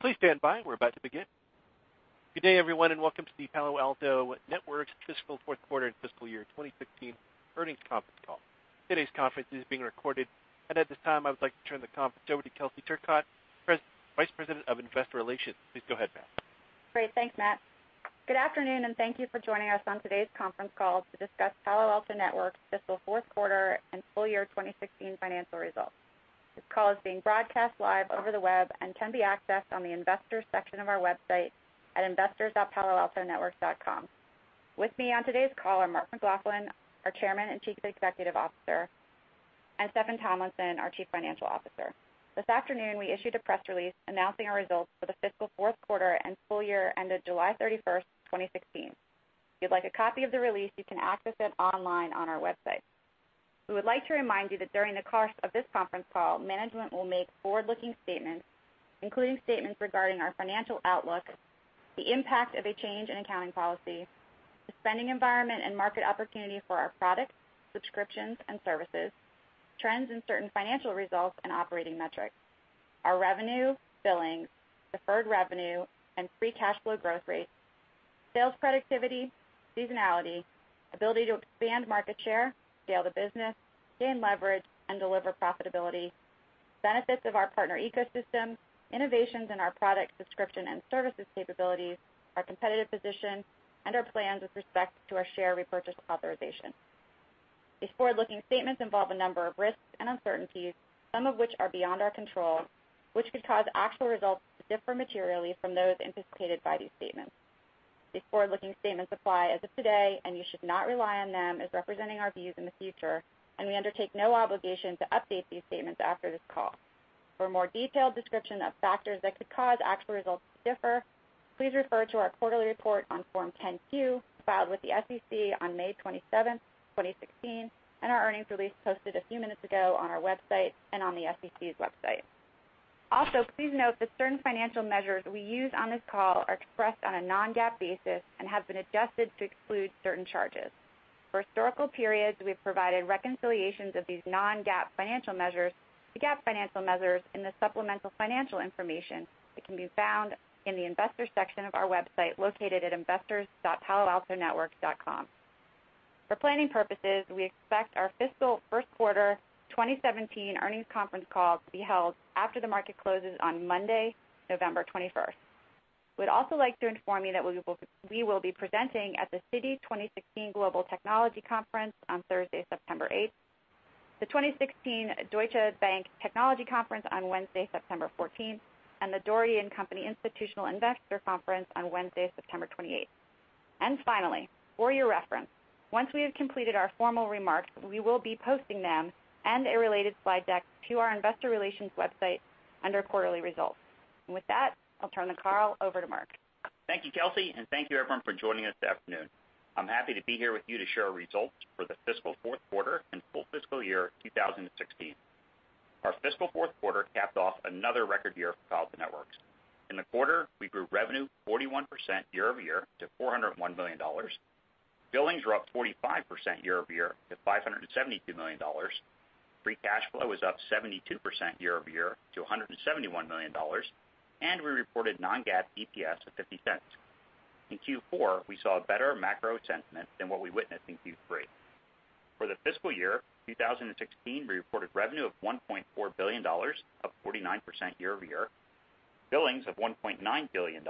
Please stand by. We're about to begin. Good day, everyone, and welcome to the Palo Alto Networks fiscal fourth quarter and fiscal year 2016 earnings conference call. Today's conference is being recorded, and at this time, I would like to turn the conference over to Kelsey Turcotte, Vice President of Investor Relations. Please go ahead, ma'am. Great. Thanks, Matt. Good afternoon, and thank you for joining us on today's conference call to discuss Palo Alto Networks' fiscal fourth quarter and full year 2016 financial results. This call is being broadcast live over the web and can be accessed on the investors section of our website at investors.paloaltonetworks.com. With me on today's call are Mark McLaughlin, our Chairman and Chief Executive Officer, and Steffan Tomlinson, our Chief Financial Officer. This afternoon, we issued a press release announcing our results for the fiscal fourth quarter and full year ended July 31st, 2016. If you'd like a copy of the release, you can access it online on our website. We would like to remind you that during the course of this conference call, management will make forward-looking statements, including statements regarding our financial outlook, the impact of a change in accounting policy, the spending environment and market opportunity for our products, subscriptions, and services, trends in certain financial results and operating metrics, our revenue, billings, deferred revenue, and free cash flow growth rates, sales productivity, seasonality, ability to expand market share, scale the business, gain leverage, and deliver profitability, benefits of our partner ecosystem, innovations in our product subscription and services capabilities, our competitive position, and our plans with respect to our share repurchase authorization. These forward-looking statements involve a number of risks and uncertainties, some of which are beyond our control, which could cause actual results to differ materially from those anticipated by these statements. These forward-looking statements apply as of today, and you should not rely on them as representing our views in the future, and we undertake no obligation to update these statements after this call. For a more detailed description of factors that could cause actual results to differ, please refer to our quarterly report on Form 10-Q filed with the SEC on May 27th, 2016, and our earnings release posted a few minutes ago on our website and on the SEC's website. Also, please note that certain financial measures we use on this call are expressed on a non-GAAP basis and have been adjusted to exclude certain charges. For historical periods, we've provided reconciliations of these non-GAAP financial measures to GAAP financial measures in the supplemental financial information that can be found in the investors section of our website located at investors.paloaltonetworks.com. For planning purposes, we expect our fiscal first quarter 2017 earnings conference call to be held after the market closes on Monday, November 21st. We'd also like to inform you that we will be presenting at the Citi 2016 Global Technology Conference on Thursday, September 8th, the 2016 Deutsche Bank Technology Conference on Wednesday, September 14th, and the Dougherty & Company Institutional Investor Conference on Wednesday, September 28th. Finally, for your reference, once we have completed our formal remarks, we will be posting them and a related slide deck to our investor relations website under quarterly results. With that, I'll turn the call over to Mark. Thank you, Kelsey, and thank you, everyone, for joining us this afternoon. I'm happy to be here with you to share our results for the fiscal fourth quarter and full fiscal year 2016. Our fiscal fourth quarter capped off another record year for Palo Alto Networks. In the quarter, we grew revenue 41% year-over-year to $401 million. Billings were up 45% year-over-year to $572 million. Free cash flow was up 72% year-over-year to $171 million, and we reported non-GAAP EPS of $0.50. In Q4, we saw a better macro sentiment than what we witnessed in Q3. For the fiscal year 2016, we reported revenue of $1.4 billion, up 49% year-over-year, billings of $1.9 billion,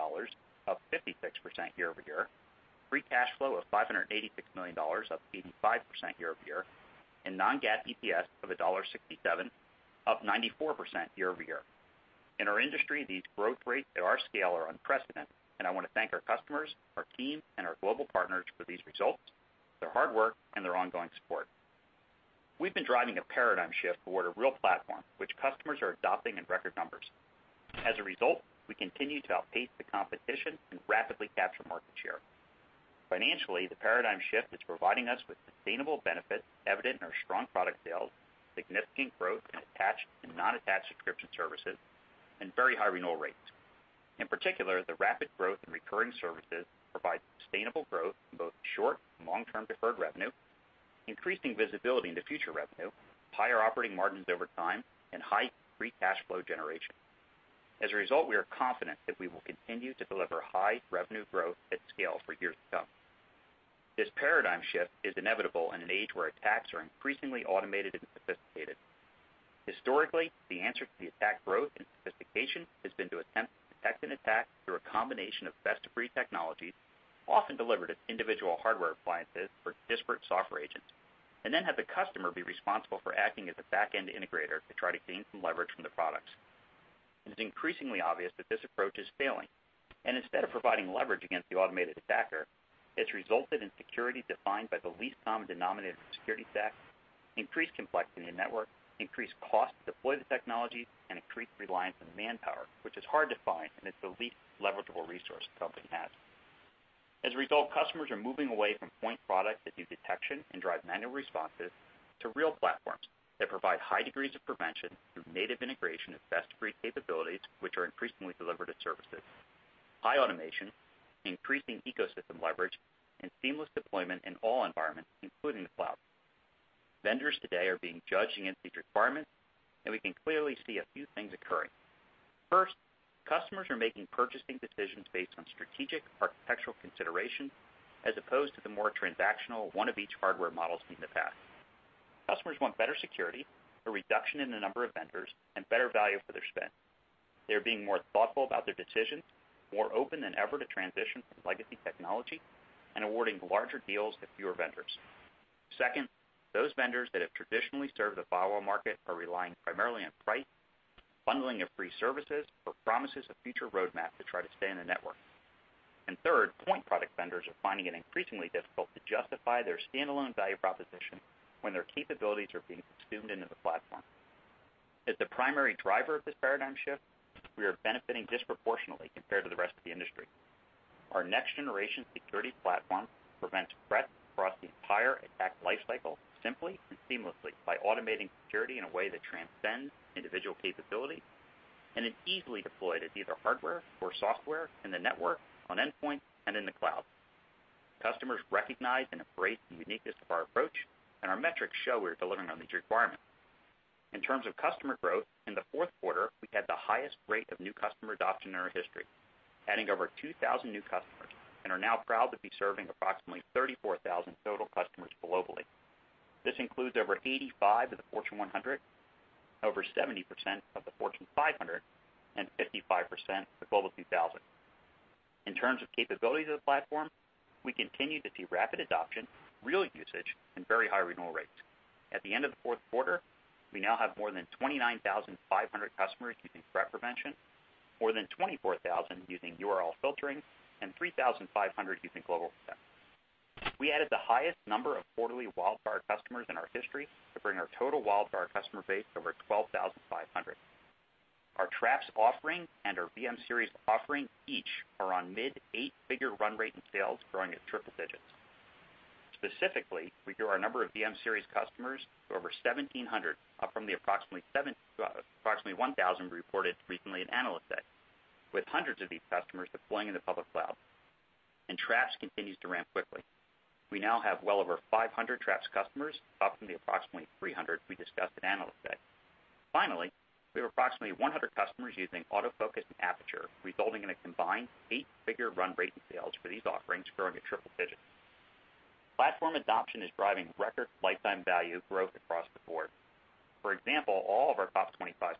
up 56% year-over-year, free cash flow of $586 million, up 85% year-over-year, and non-GAAP EPS of $1.67, up 94% year-over-year. In our industry, these growth rates at our scale are unprecedented, I want to thank our customers, our team, and our global partners for these results, their hard work, and their ongoing support. We've been driving a paradigm shift toward a real platform, which customers are adopting in record numbers. As a result, we continue to outpace the competition and rapidly capture market share. Financially, the paradigm shift is providing us with sustainable benefits evident in our strong product sales, significant growth in attached and non-attached subscription services, very high renewal rates. In particular, the rapid growth in recurring services provides sustainable growth in both short- and long-term deferred revenue, increasing visibility into future revenue, higher operating margins over time, high free cash flow generation. As a result, we are confident that we will continue to deliver high revenue growth at scale for years to come. This paradigm shift is inevitable in an age where attacks are increasingly automated sophisticated. Historically, the answer to the attack growth and sophistication has been to attempt to detect an attack through a combination of best-of-breed technologies, often delivered as individual hardware appliances for disparate software agents, then have the customer be responsible for acting as a back-end integrator to try to gain some leverage from the products. It is increasingly obvious that this approach is failing, instead of providing leverage against the automated attacker, it's resulted in security defined by the least common denominator of security stacks, increased complexity in the network, increased cost to deploy the technology, increased reliance on manpower, which is hard to find, it's the least leverageable resource a company has. As a result, customers are moving away from point products that do detection and drive manual responses to real platforms that provide high degrees of prevention through native integration of best-of-breed capabilities, which are increasingly delivered as services. High automation, increasing ecosystem leverage, and seamless deployment in all environments, including the cloud. Vendors today are being judged against these requirements. We can clearly see a few things occurring. First, customers are making purchasing decisions based on strategic architectural consideration, as opposed to the more transactional one-of-each hardware models seen in the past. Customers want better security, a reduction in the number of vendors, and better value for their spend. They are being more thoughtful about their decisions, more open than ever to transition from legacy technology and awarding larger deals to fewer vendors. Second, those vendors that have traditionally served the firewall market are relying primarily on price, bundling of free services or promises of future roadmap to try to stay in the network. Third, point product vendors are finding it increasingly difficult to justify their standalone value proposition when their capabilities are being consumed into the platform. As the primary driver of this paradigm shift, we are benefiting disproportionately compared to the rest of the industry. Our next-generation security platform prevents threats across the entire attack life cycle simply and seamlessly by automating security in a way that transcends individual capability and is easily deployed as either hardware or software in the network, on endpoint, and in the cloud. Customers recognize and embrace the uniqueness of our approach, and our metrics show we're delivering on these requirements. In terms of customer growth, in the fourth quarter, we had the highest rate of new customer adoption in our history, adding over 2,000 new customers and are now proud to be serving approximately 34,000 total customers globally. This includes over 85 of the Fortune 100, over 70% of the Fortune 500, and 55% of the Global 2000. In terms of capabilities of the platform, we continue to see rapid adoption, real usage, and very high renewal rates. At the end of the fourth quarter, we now have more than 29,500 customers using Threat Prevention, more than 24,000 using URL Filtering and 3,500 using GlobalProtect. We added the highest number of quarterly WildFire customers in our history to bring our total WildFire customer base over 12,500. Our Traps offering and our VM-Series offering each are on mid-eight-figure run rate in sales, growing at triple digits. Specifically, we grew our number of VM-Series customers to over 1,700, up from the approximately 1,000 we reported recently at Analyst Day. With hundreds of these customers deploying in the public cloud. Traps continues to ramp quickly. We now have well over 500 Traps customers, up from the approximately 300 we discussed at Analyst Day. Finally, we have approximately 100 customers using AutoFocus and Aperture, resulting in a combined eight-figure run rate in sales for these offerings growing at triple digits. Platform adoption is driving record lifetime value growth across the board. For example, all of our top 25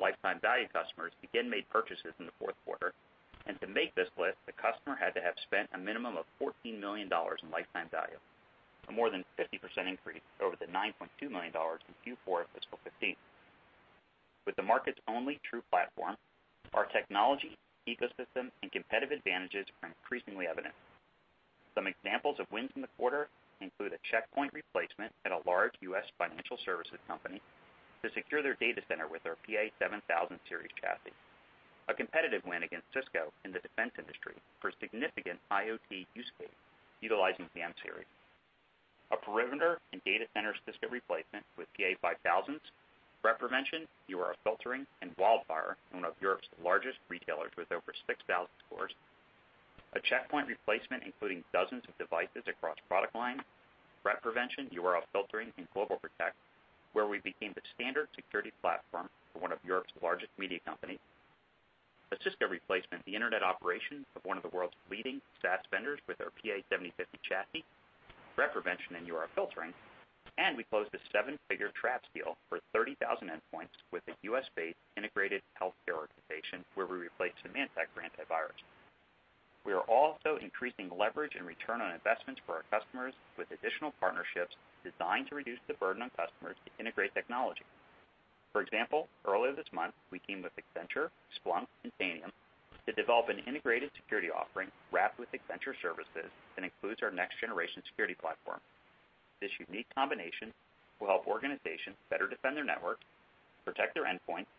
lifetime value customers again made purchases in the fourth quarter. To make this list, the customer had to have spent a minimum of $14 million in lifetime value, a more than 50% increase over the $9.2 million in Q4 of fiscal 2015. With the market's only true platform, our technology, ecosystem, and competitive advantages are increasingly evident. Some examples of wins in the quarter include a Check Point replacement at a large U.S. financial services company to secure their data center with our PA-7000 series chassis. A competitive win against Cisco in the defense industry for a significant IoT use case utilizing VM-Series. A perimeter and data center Cisco replacement with PA-5000s, Threat Prevention, URL Filtering, and WildFire in one of Europe's largest retailers with over 6,000 stores. A Check Point replacement including dozens of devices across product lines, Threat Prevention, URL Filtering, and GlobalProtect, where we became the standard security platform for one of Europe's largest media companies. A Cisco replacement, the internet operation of one of the world's leading SaaS vendors with our PA-7050 chassis, Threat Prevention, and URL Filtering. We closed a seven-figure Traps deal for 30,000 endpoints with a U.S.-based integrated healthcare organization where we replaced Symantec for antivirus. We are also increasing leverage and return on investments for our customers with additional partnerships designed to reduce the burden on customers to integrate technology. For example, earlier this month, we teamed with Accenture, Splunk, and Tanium to develop an integrated security offering wrapped with Accenture services and includes our next-generation security platform. This unique combination will help organizations better defend their networks, protect their endpoints,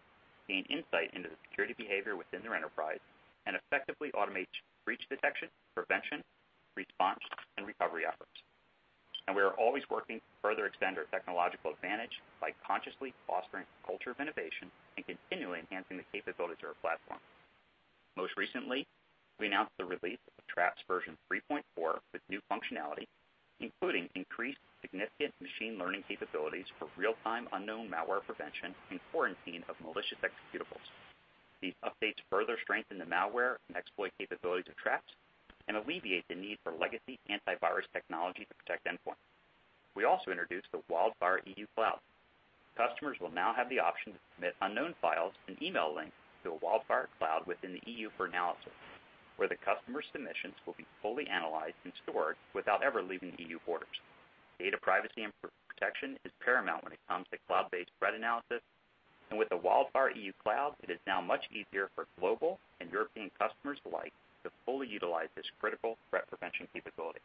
gain insight into the security behavior within their enterprise, and effectively automate breach detection, prevention, response, and recovery efforts. We are always working to further extend our technological advantage by consciously fostering a culture of innovation and continually enhancing the capabilities of our platform. Most recently, we announced the release of Traps version 3.4 with new functionality, including increased significant machine learning capabilities for real-time unknown malware prevention and quarantine of malicious executables. These updates further strengthen the malware and exploit capabilities of Traps and alleviate the need for legacy antivirus technology to protect endpoints. We also introduced the WildFire EU Cloud. Customers will now have the option to submit unknown files and email links to a WildFire cloud within the EU for analysis, where the customer's submissions will be fully analyzed and stored without ever leaving EU borders. Data privacy and protection is paramount when it comes to cloud-based threat analysis. With the WildFire EU Cloud, it is now much easier for global and European customers alike to fully utilize this critical threat prevention capability.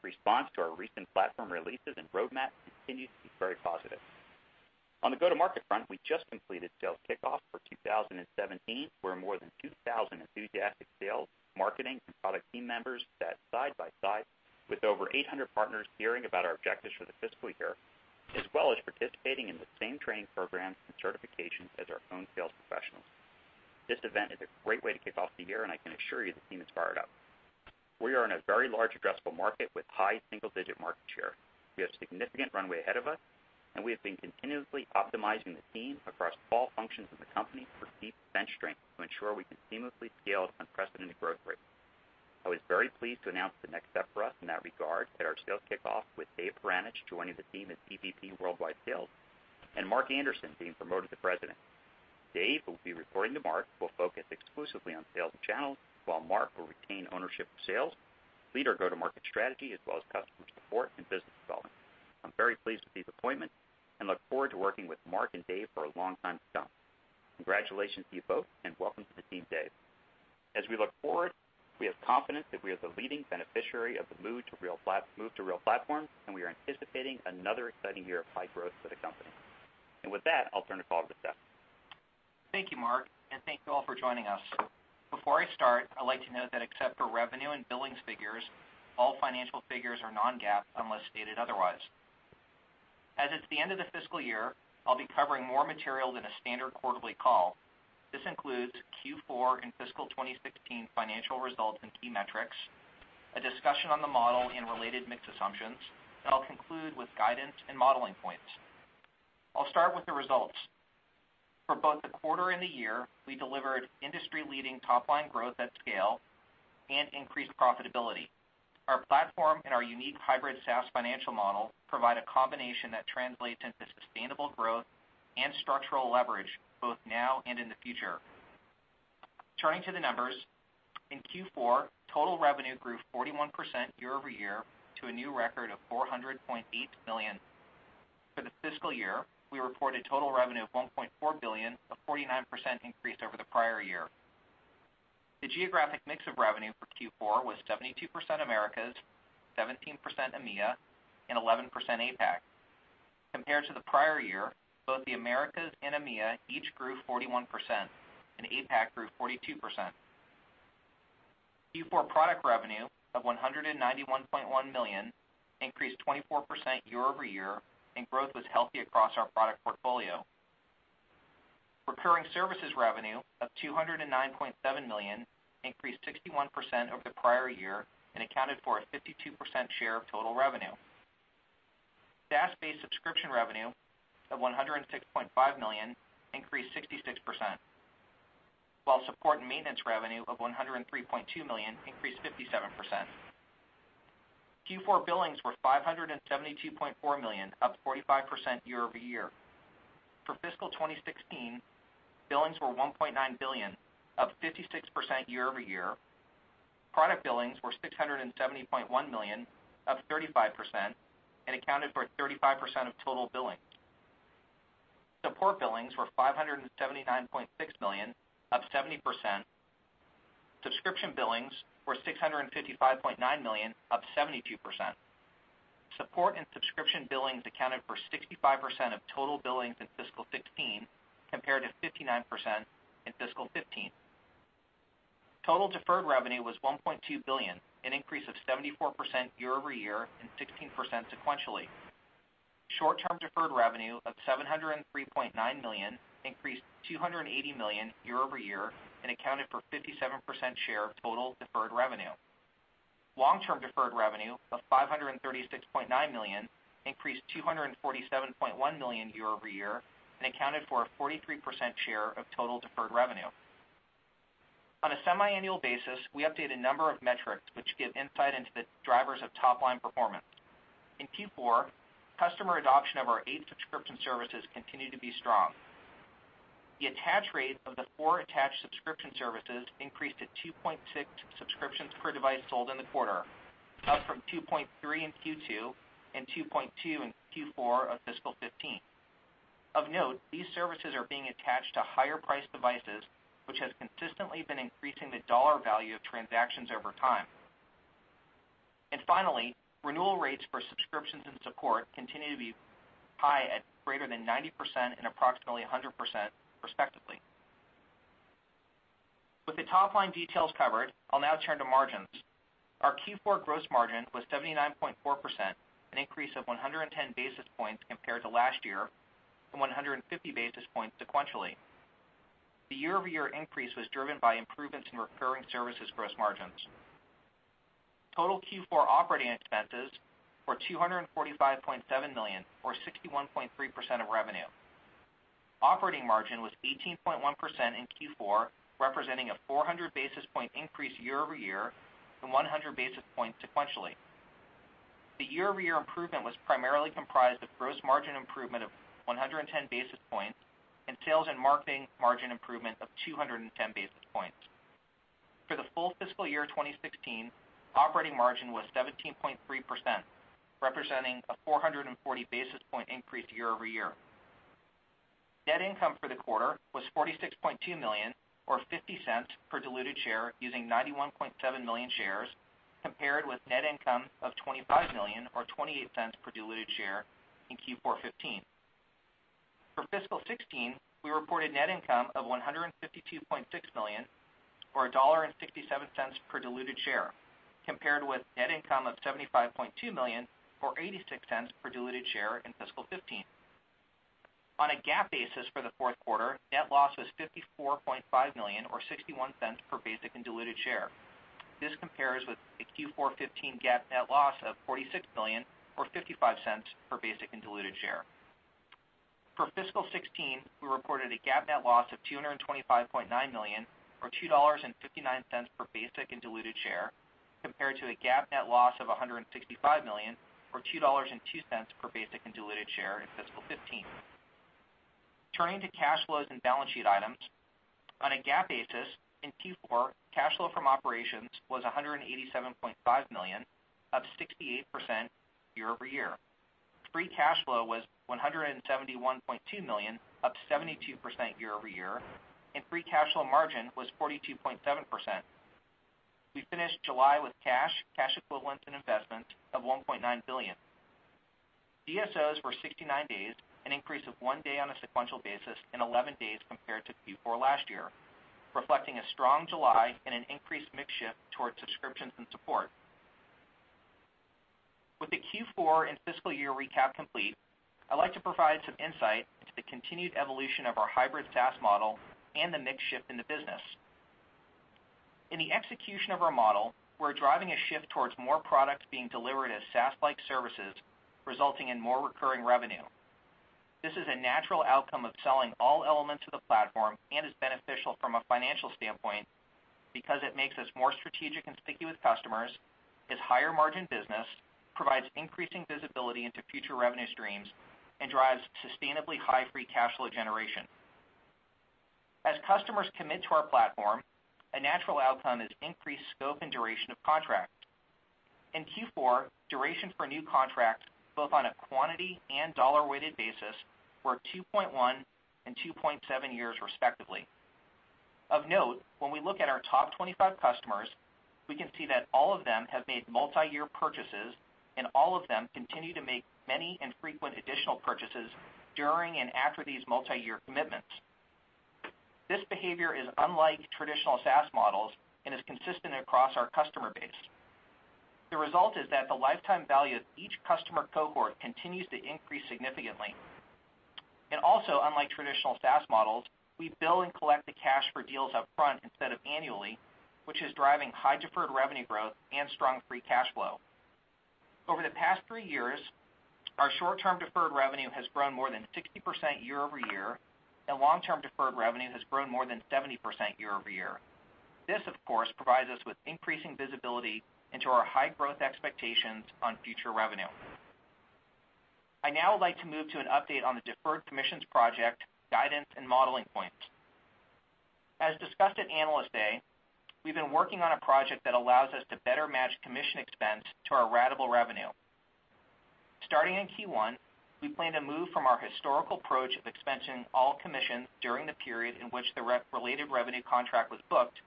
Response to our recent platform releases and roadmap continues to be very positive. On the go-to-market front, we just completed sales kickoff for 2017, where more than 2,000 enthusiastic sales, marketing, and product team members sat side by side with over 800 partners hearing about our objectives for the fiscal year, as well as participating in the same training programs and certifications as our own sales professionals. This event is a great way to kick off the year, and I can assure you the team is fired up. We are in a very large addressable market with high single-digit market share. We have significant runway ahead of us, and we have been continuously optimizing the team across all functions of the company for deep bench strength to ensure we can seamlessly scale unprecedented growth rates. I was very pleased to announce the next step for us in that regard at our sales kickoff with Dave Peranich joining the team as EVP Worldwide Sales, and Mark Anderson being promoted to President. Dave will be reporting to Mark, will focus exclusively on sales and channels, while Mark will retain ownership of sales, lead our go-to-market strategy, as well as customer support and business development. I'm very pleased with these appointments and look forward to working with Mark and Dave for a long time to come. Congratulations to you both, and welcome to the team, Dave. As we look forward, we have confidence that we are the leading beneficiary of the move to real platform, and we are anticipating another exciting year of high growth for the company. With that, I'll turn the call over to Steffan Thank you, Mark, and thank you all for joining us. Before I start, I'd like to note that except for revenue and billings figures, all financial figures are non-GAAP unless stated otherwise. As it's the end of the fiscal year, I'll be covering more material than a standard quarterly call. This includes Q4 and fiscal 2016 financial results and key metrics, a discussion on the model and related mixed assumptions, and I'll conclude with guidance and modeling points. I'll start with the results. For both the quarter and the year, we delivered industry-leading top-line growth at scale and increased profitability. Our platform and our unique hybrid SaaS financial model provide a combination that translates into sustainable growth and structural leverage, both now and in the future. Turning to the numbers, in Q4, total revenue grew 41% year-over-year to a new record of $400.8 million. For the fiscal year, we reported total revenue of $1.4 billion, a 49% increase over the prior year. The geographic mix of revenue for Q4 was 72% Americas, 17% EMEA, and 11% APAC. Compared to the prior year, both the Americas and EMEA each grew 41%, and APAC grew 42%. Q4 product revenue of $191.1 million increased 24% year-over-year, and growth was healthy across our product portfolio. Recurring services revenue of $209.7 million increased 61% over the prior year and accounted for a 52% share of total revenue. SaaS-based subscription revenue of $106.5 million increased 66%, while support and maintenance revenue of $103.2 million increased 57%. Q4 billings were $572.4 million, up 45% year-over-year. For fiscal 2016, billings were $1.9 billion, up 56% year-over-year. Product billings were $670.1 million, up 35%, and accounted for 35% of total billings. Support billings were $579.6 million, up 70%. Subscription billings were $655.9 million, up 72%. Support and subscription billings accounted for 65% of total billings in fiscal 2016, compared to 59% in fiscal 2015. Total deferred revenue was $1.2 billion, an increase of 74% year-over-year and 16% sequentially. Short-term deferred revenue of $703.9 million increased to $280 million year-over-year and accounted for 57% share of total deferred revenue. Long-term deferred revenue of $536.9 million increased to $247.1 million year-over-year and accounted for a 43% share of total deferred revenue. On a semiannual basis, we update a number of metrics which give insight into the drivers of top-line performance. In Q4, customer adoption of our eight subscription services continued to be strong. The attach rate of the four attached subscription services increased to 2.6 subscriptions per device sold in the quarter, up from 2.3 in Q2 and 2.2 in Q4 of fiscal 2015. Of note, these services are being attached to higher-priced devices, which has consistently been increasing the dollar value of transactions over time. Finally, renewal rates for subscriptions and support continue to be high at greater than 90% and approximately 100%, respectively. With the top-line details covered, I'll now turn to margins. Our Q4 gross margin was 79.4%, an increase of 110 basis points compared to last year and 150 basis points sequentially. The year-over-year increase was driven by improvements in recurring services gross margins. Total Q4 operating expenses were $245.7 million or 61.3% of revenue. Operating margin was 18.1% in Q4, representing a 400 basis point increase year-over-year and 100 basis points sequentially. The year-over-year improvement was primarily comprised of gross margin improvement of 110 basis points and sales and marketing margin improvement of 210 basis points. For the full fiscal year 2016, operating margin was 17.3%, representing a 440 basis point increase year-over-year. Net income for the quarter was $46.2 million, or $0.50 per diluted share using 91.7 million shares, compared with net income of $25 million or $0.28 per diluted share in Q4 2015. For fiscal 2016, we reported net income of $152.6 million or $1.67 per diluted share, compared with net income of $75.2 million or $0.86 per diluted share in fiscal 2015. On a GAAP basis for the fourth quarter, net loss was $54.5 million, or $0.61 per basic and diluted share. This compares with a Q4 2015 GAAP net loss of $46 million, or $0.55 per basic and diluted share. For fiscal 2016, we reported a GAAP net loss of $225.9 million, or $2.59 per basic and diluted share, compared to a GAAP net loss of $165 million, or $2.02 per basic and diluted share in fiscal 2015. Turning to cash flows and balance sheet items. On a GAAP basis, in Q4, cash flow from operations was $187.5 million, up 68% year-over-year. Free cash flow was $171.2 million, up 72% year-over-year, and free cash flow margin was 42.7%. We finished July with cash equivalents, and investments of $1.9 billion. DSOs were 69 days, an increase of one day on a sequential basis and 11 days compared to Q4 last year, reflecting a strong July and an increased mix shift towards subscriptions and support. With the Q4 and fiscal year recap complete, I'd like to provide some insight into the continued evolution of our hybrid SaaS model and the mix shift in the business. In the execution of our model, we're driving a shift towards more products being delivered as SaaS-like services, resulting in more recurring revenue. This is a natural outcome of selling all elements of the platform and is beneficial from a financial standpoint, because it makes us more strategic and sticky with customers, is higher margin business, provides increasing visibility into future revenue streams, and drives sustainably high free cash flow generation. As customers commit to our platform, a natural outcome is increased scope and duration of contract. In Q4, duration for new contracts, both on a quantity and dollar weighted basis, were 2.1 and 2.7 years respectively. Of note, when we look at our top 25 customers, we can see that all of them have made multi-year purchases, and all of them continue to make many and frequent additional purchases during and after these multi-year commitments. This behavior is unlike traditional SaaS models and is consistent across our customer base. The result is that the lifetime value of each customer cohort continues to increase significantly. Also, unlike traditional SaaS models, we bill and collect the cash for deals up front instead of annually, which is driving high deferred revenue growth and strong free cash flow. Over the past three years, our short-term deferred revenue has grown more than 60% year-over-year, and long-term deferred revenue has grown more than 70% year-over-year. This, of course, provides us with increasing visibility into our high growth expectations on future revenue. I now would like to move to an update on the deferred commissions project guidance and modeling points. As discussed at Analyst Day, we've been working on a project that allows us to better match commission expense to our ratable revenue. Starting in Q1, we plan to move from our historical approach of expensing all commissions during the period in which the related revenue contract was booked,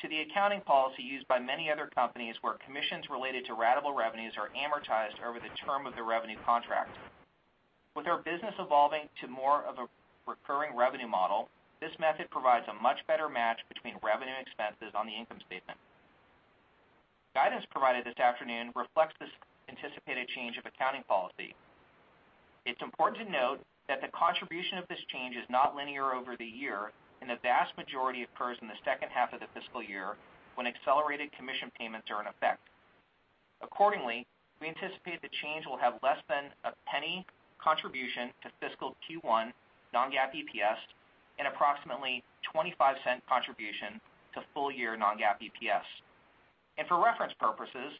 to the accounting policy used by many other companies where commissions related to ratable revenues are amortized over the term of the revenue contract. With our business evolving to more of a recurring revenue model, this method provides a much better match between revenue expenses on the income statement. Guidance provided this afternoon reflects this anticipated change of accounting policy. It's important to note that the contribution of this change is not linear over the year, and the vast majority occurs in the second half of the fiscal year, when accelerated commission payments are in effect. Accordingly, we anticipate the change will have less than a $0.01 contribution to fiscal Q1 non-GAAP EPS and approximately $0.25 contribution to full year non-GAAP EPS. For reference purposes,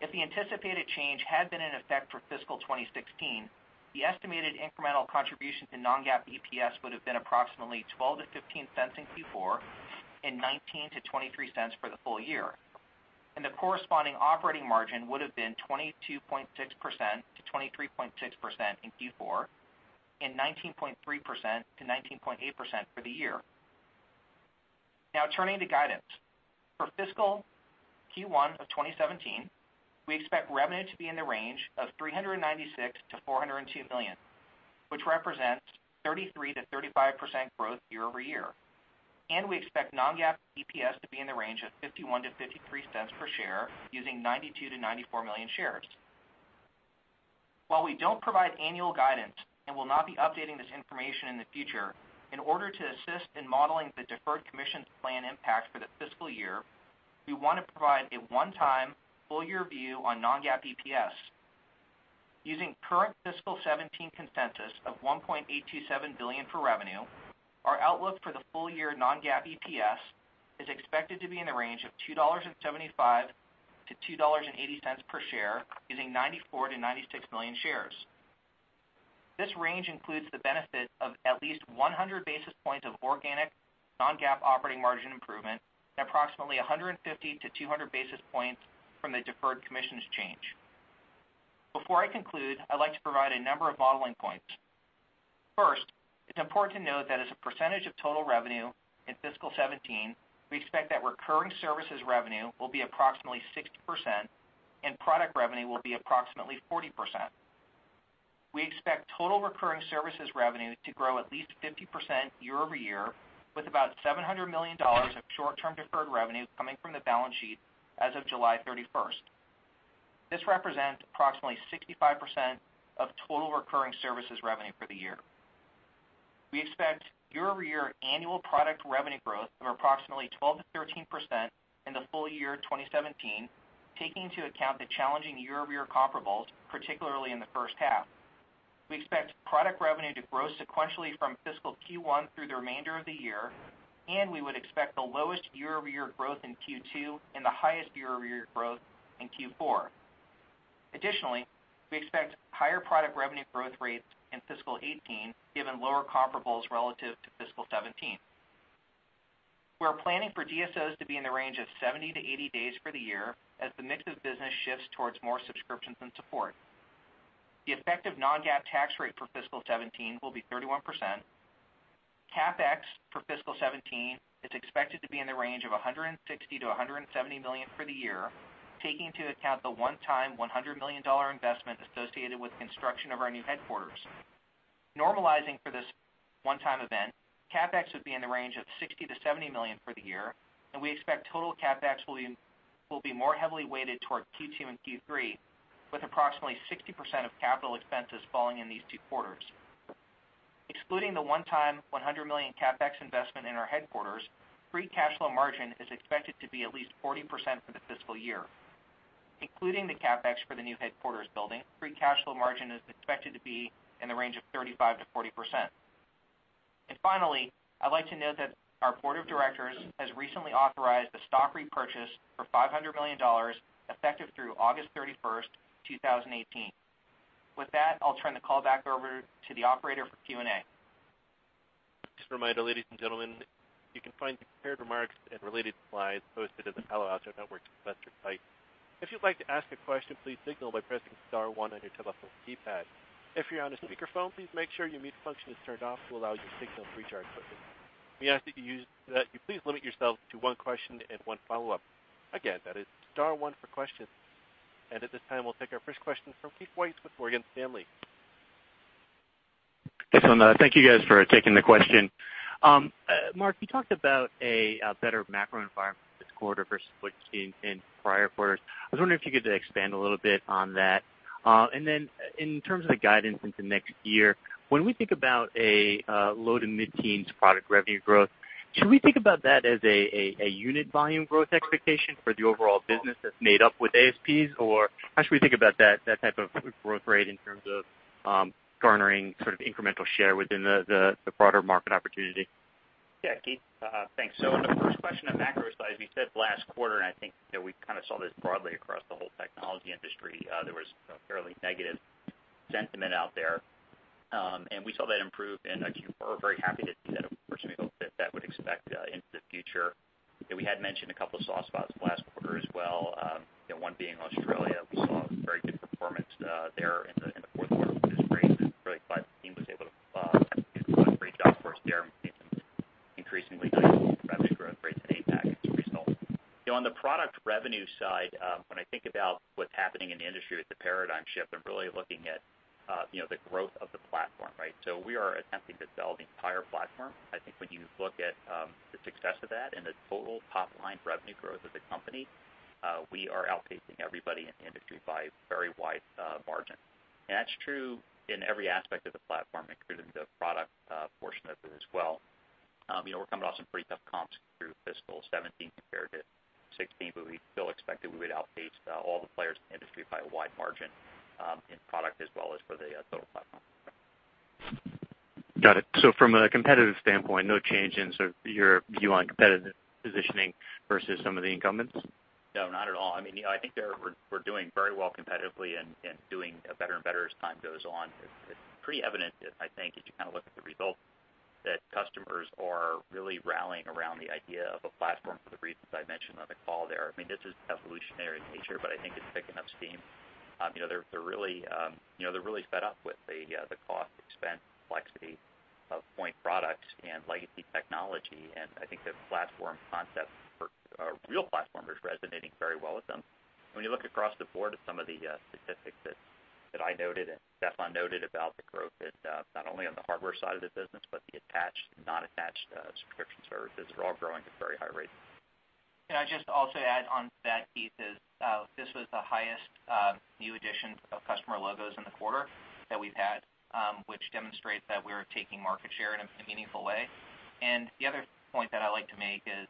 if the anticipated change had been in effect for fiscal 2016, the estimated incremental contribution to non-GAAP EPS would've been approximately $0.12-$0.15 in Q4 and $0.19-$0.23 for the full year. The corresponding operating margin would've been 22.6%-23.6% in Q4 and 19.3%-19.8% for the year. Now turning to guidance. For fiscal Q1 of 2017, we expect revenue to be in the range of $396 million-$402 million, which represents 33%-35% growth year-over-year. We expect non-GAAP EPS to be in the range of $0.51-$0.53 per share using 92 million-94 million shares. While we don't provide annual guidance and will not be updating this information in the future, in order to assist in modeling the deferred commissions plan impact for the fiscal year, we want to provide a one-time full year view on non-GAAP EPS. Using current fiscal 2017 consensus of $1.827 billion for revenue, our outlook for the full year non-GAAP EPS is expected to be in the range of $2.75-$2.80 per share, using 94 million-96 million shares. This range includes the benefit of at least 100 basis points of organic non-GAAP operating margin improvement and approximately 150-200 basis points from the deferred commissions change. Before I conclude, I'd like to provide a number of modeling points. First, it's important to note that as a percentage of total revenue in fiscal 2017, we expect that recurring services revenue will be approximately 60% and product revenue will be approximately 40%. We expect total recurring services revenue to grow at least 50% year-over-year, with about $700 million of short-term deferred revenue coming from the balance sheet as of July 31st. This represents approximately 65% of total recurring services revenue for the year. We expect year-over-year annual product revenue growth of approximately 12%-13% in the full year 2017, taking into account the challenging year-over-year comparables, particularly in the first half. We expect product revenue to grow sequentially from fiscal Q1 through the remainder of the year. We would expect the lowest year-over-year growth in Q2 and the highest year-over-year growth in Q4. Additionally, we expect higher product revenue growth rates in fiscal 2018, given lower comparables relative to fiscal 2017. We're planning for DSOs to be in the range of 70-80 days for the year, as the mix of business shifts towards more subscriptions and support. The effective non-GAAP tax rate for fiscal 2017 will be 31%. CapEx for fiscal 2017 is expected to be in the range of $160 million-$170 million for the year, taking into account the one-time $100 million investment associated with the construction of our new headquarters. Normalizing for this one-time event, CapEx would be in the range of $60 million-$70 million for the year. We expect total CapEx will be more heavily weighted towards Q2 and Q3, with approximately 60% of capital expenses falling in these two quarters. Excluding the one-time $100 million CapEx investment in our headquarters, free cash flow margin is expected to be at least 40% for the fiscal year. Including the CapEx for the new headquarters building, free cash flow margin is expected to be in the range of 35%-40%. Finally, I'd like to note that our board of directors has recently authorized a stock repurchase for $500 million effective through August 31st, 2018. With that, I'll turn the call back over to the operator for Q&A. Just a reminder, ladies and gentlemen, you can find the prepared remarks and related slides posted at the Palo Alto Networks investor site. If you'd like to ask a question, please signal by pressing star one on your telephone keypad. If you're on a speakerphone, please make sure your mute function is turned off to allow your signal to reach our equipment. We ask that you please limit yourself to one question and one follow-up. Again, that is star one for questions. At this time, we'll take our first question from Keith Weiss with Morgan Stanley. Yes. Thank you guys for taking the question. Mark, you talked about a better macro environment this quarter versus what you had seen in prior quarters. I was wondering if you could expand a little bit on that. In terms of the guidance into next year, when we think about a low- to mid-teens product revenue growth, should we think about that as a unit volume growth expectation for the overall business that is made up with ASPs? How should we think about that type of growth rate in terms of garnering sort of incremental share within the broader market opportunity? Yeah, Keith. Thanks. On the first question on macro side, as we said last quarter, and I think that we kind of saw this broadly across the whole technology industry, there was a fairly negative sentiment out there. We saw that improve in Q4. We are very happy with the set of results that we would expect into the future. We had mentioned a couple of soft spots last quarter as well, one being Australia. We saw very good performance there in the fourth quarter, which is great. I am really glad the team was able to do a great job for us there and see some increasingly nice revenue growth rates in APAC as a result. On the product revenue side, when I think about what is happening in the industry with the paradigm shift, I am really looking at the growth of the platform, right? We are attempting to sell the entire platform. I think when you look at the success of that and the total top-line revenue growth of the company, we are outpacing everybody in the industry by a very wide margin. That is true in every aspect of the platform, including the product portion of it as well. We are coming off some pretty tough comps through fiscal 2017 compared to 2016, we still expected we would outpace all the players in the industry by a wide margin in product as well as for the total platform. Got it. From a competitive standpoint, no change in sort of your view on competitive positioning versus some of the incumbents? No, not at all. I think we're doing very well competitively and doing better and better as time goes on. It's pretty evident, I think, as you kind of look at the results, that customers are really rallying around the idea of a platform for the reasons I mentioned on the call there. This is evolutionary in nature, but I think it's picking up steam. They're really fed up with the cost, expense, complexity of point products and legacy technology, and I think the platform concept, or real platform, is resonating very well with them. When you look across the board at some of the statistics that I noted and Steffan noted about the growth that not only on the hardware side of the business, but the attached and non-attached subscription services are all growing at very high rates. Can I just also add on to that, Keith, is this was the highest new addition of customer logos in the quarter that we've had, which demonstrates that we are taking market share in a meaningful way. The other point that I'd like to make is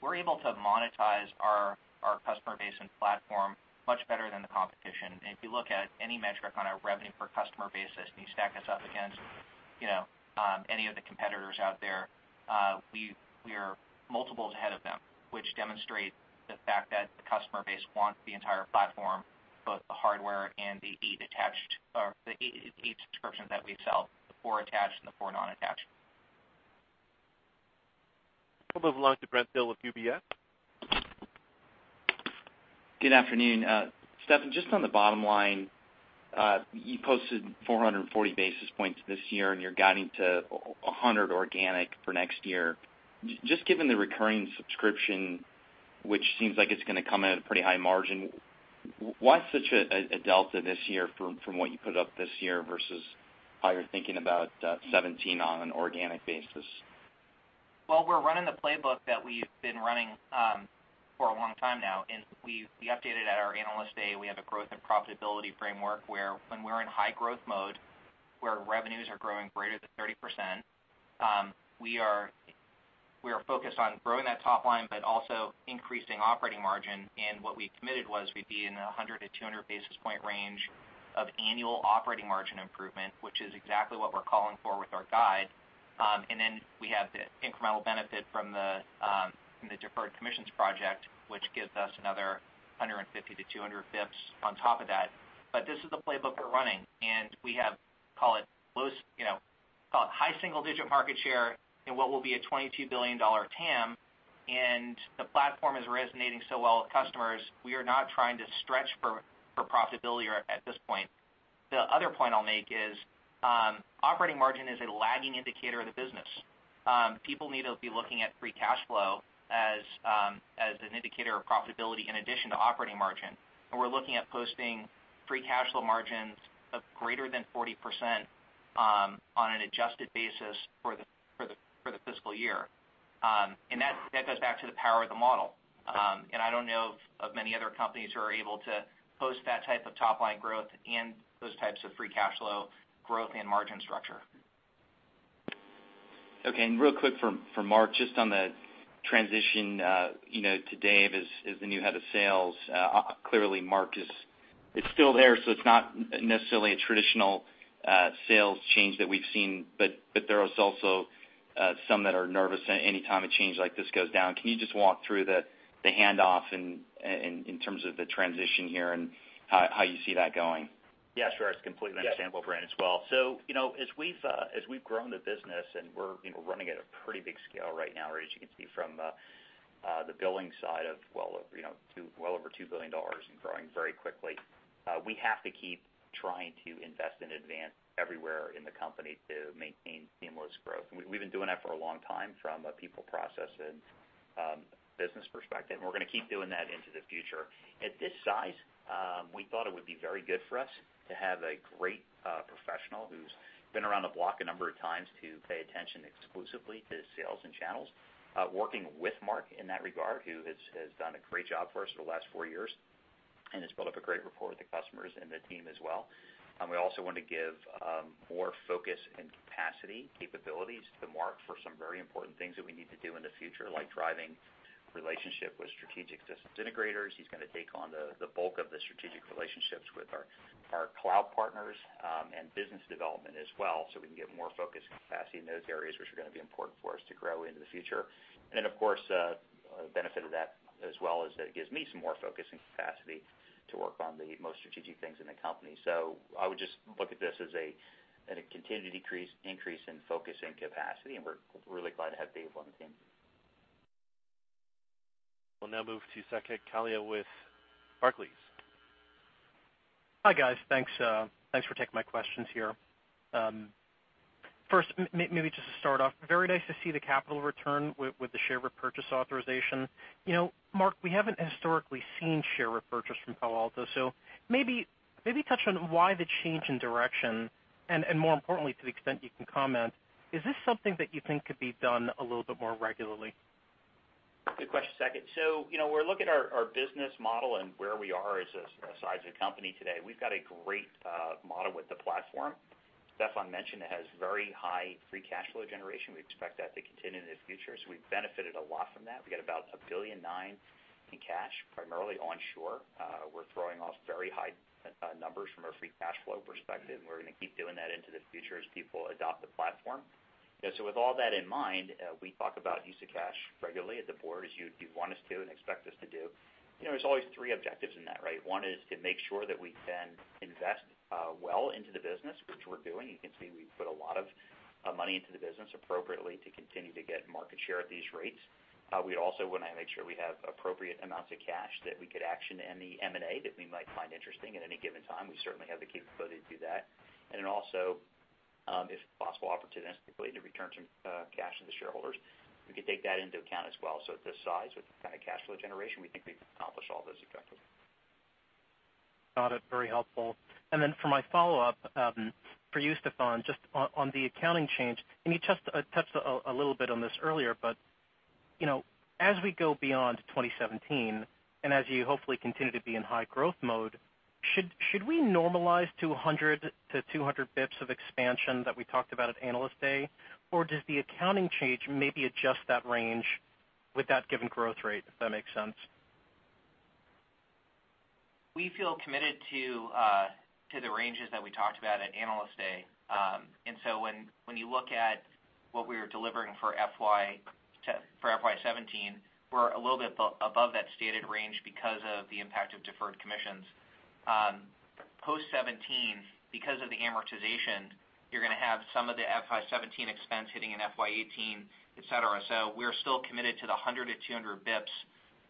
we're able to monetize our customer base and platform much better than the competition. If you look at any metric on a revenue per customer basis, and you stack us up against any of the competitors out there, we are multiples ahead of them, which demonstrates the fact that the customer base wants the entire platform, both the hardware and the eight subscriptions that we sell, the four attached and the four non-attached. We'll move along to Brent Thill with UBS. Good afternoon. Steffan, just on the bottom line, you posted 440 basis points this year, and you're guiding to 100 organic for next year. Just given the recurring subscription, which seems like it's going to come in at a pretty high margin, why such a delta this year from what you put up this year versus how you're thinking about 2017 on an organic basis? Well, we're running the playbook that we've been running for a long time now, and we updated at our Analyst Day. We have a growth and profitability framework where when we're in high growth mode, where revenues are growing greater than 30%, we are focused on growing that top line, but also increasing operating margin. What we committed was we'd be in the 100 to 200 basis point range of annual operating margin improvement, which is exactly what we're calling for with our guide. Then we have the incremental benefit from the deferred commissions project, which gives us another 150 to 200 bips on top of that. This is the playbook we're running, and we have, call it high single-digit market share in what will be a $22 billion TAM, and the platform is resonating so well with customers. We are not trying to stretch for profitability at this point. The other point I'll make is operating margin is a lagging indicator of the business. People need to be looking at free cash flow as an indicator of profitability in addition to operating margin. We're looking at posting free cash flow margins of greater than 40% on an adjusted basis for the fiscal year. That goes back to the power of the model. I don't know of many other companies who are able to post that type of top-line growth and those types of free cash flow growth and margin structure. Okay, and real quick for Mark, just on the transition to Dave as the new head of sales. Clearly, Mark is still there, so it's not necessarily a traditional sales change that we've seen, but there is also some that are nervous anytime a change like this goes down. Can you just walk through the handoff in terms of the transition here and how you see that going? Yeah, sure. It's completely understandable, Brent, as well. As we've grown the business, and we're running at a pretty big scale right now, as you can see from the billing side of well over $2 billion and growing very quickly. We have to keep trying to invest and advance everywhere in the company to maintain seamless growth. We've been doing that for a long time from a people process and business perspective, and we're going to keep doing that into the future. At this size, we thought it would be very good for us to have a great professional who's been around the block a number of times to pay attention exclusively to sales and channels, working with Mark in that regard, who has done a great job for us for the last four years and has built up a great rapport with the customers and the team as well. We also want to give more focus and capacity capabilities to Mark for some very important things that we need to do in the future, like driving relationship with strategic systems integrators. He's going to take on the bulk of the strategic relationships with our cloud partners, and business development as well, so we can get more focus and capacity in those areas, which are going to be important for us to grow into the future. Of course, a benefit of that as well is that it gives me some more focus and capacity to work on the most strategic things in the company. I would just look at this as a continued increase in focus and capacity, and we're really glad to have Dave on the team. We'll now move to Saket Kalia with Barclays. Hi, guys. Thanks for taking my questions here. First, maybe just to start off, very nice to see the capital return with the share repurchase authorization. Mark, we haven't historically seen share repurchase from Palo Alto, maybe touch on why the change in direction, and more importantly, to the extent you can comment, is this something that you think could be done a little bit more regularly? Good question, Saket. We're looking at our business model and where we are as a size of the company today. We've got a great model with the platform. Steffan mentioned it has very high free cash flow generation. We expect that to continue into the future. We've benefited a lot from that. We've got about $1.9 billion in cash, primarily onshore. We're throwing off very high numbers from a free cash flow perspective, and we're going to keep doing that into the future as people adopt the platform. With all that in mind, we talk about use of cash regularly at the board, as you'd want us to and expect us to do. There's always three objectives in that, right? One is to make sure that we can invest well into the business, which we're doing. You can see we've put a lot of money into the business appropriately to continue to get market share at these rates. We also want to make sure we have appropriate amounts of cash that we could action any M&A that we might find interesting at any given time. We certainly have the capability to do that. Also, if possible opportunistically, to return some cash to the shareholders, we could take that into account as well. At this size, with the kind of cash flow generation, we think we can accomplish all those effectively. Got it. Very helpful. For my follow-up, for you, Steffan, just on the accounting change, and you touched a little bit on this earlier, but as we go beyond 2017, and as you hopefully continue to be in high growth mode, should we normalize to 100 to 200 basis points of expansion that we talked about at Analyst Day? Does the accounting change maybe adjust that range with that given growth rate, if that makes sense? We feel committed to the ranges that we talked about at Analyst Day. When you look at what we were delivering for FY 2017, we're a little bit above that stated range because of the impact of deferred commissions. Post 2017, because of the amortization, you're going to have some of the FY 2017 expense hitting in FY 2018, et cetera. We're still committed to the 100 to 200 basis